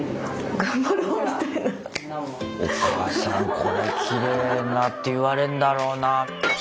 おかあさんこれきれいなって言われんだろうな。